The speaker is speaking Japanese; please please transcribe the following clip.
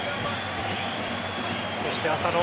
そして浅野。